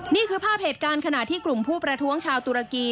นี่คือภาพเหตุการณ์ขณะที่กลุ่มผู้ประท้วงชาวตุรกี